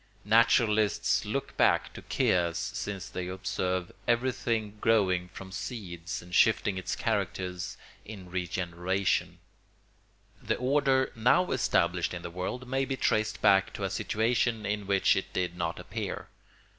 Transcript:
Naturalists look back to chaos since they observe everything growing from seeds and shifting its character in regeneration. The order now established in the world may be traced back to a situation in which it did not appear.